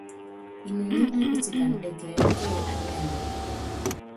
Inoní á pítikan ɛkɛɛ́ kɛ́y á niana.